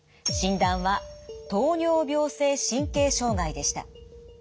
診断は糖尿病性神経障害でした。